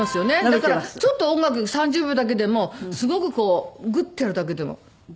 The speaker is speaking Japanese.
だからちょっと音楽３０秒だけでもすごくこうグッてやるだけでも。